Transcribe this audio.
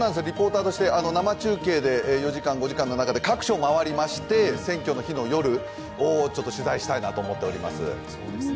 生中継、４時間、５時間の中で各所を回りまして選挙の日の夜を取材したいなと思っております。